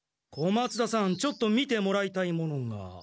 小松田さんちょっと見てもらいたいものが。